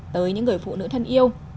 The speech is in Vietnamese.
tới những người phụ nữ thân yêu